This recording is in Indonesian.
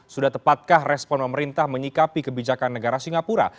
sudah tepatkah respon pemerintah menyikapi kebijakan negara singapura